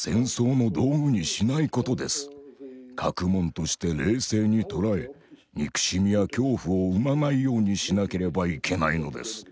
学問として冷静に捉え憎しみや恐怖を生まないようにしなければいけないのです。